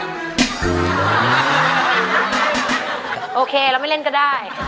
คุณพ่อคุณแม่ภูมิใจอะไรในตัวลูกคะ